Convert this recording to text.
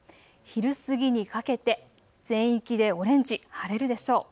昼過ぎにかけて全域でオレンジ、晴れるでしょう。